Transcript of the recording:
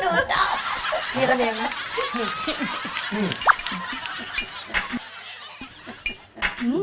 มันมาก